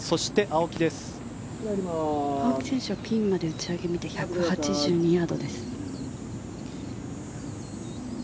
青木選手はピンまで打ち上げ気味で１８２ヤードです。